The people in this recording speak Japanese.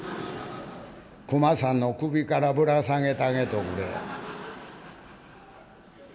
「熊さんの首からぶら下げたげとくれ」。